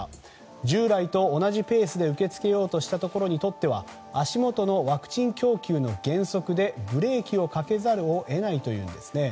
従来と同じペースで受け付けようと思ったところにとっては足元のワクチン供給の減速でブレーキをかけざるを得ないというんですね。